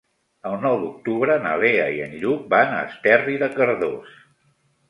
El nou d'octubre na Lea i en Lluc van a Esterri de Cardós.